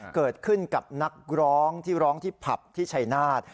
เกิดขึ้นกับนักร้องที่ร้องที่ผับที่ชัยนาธ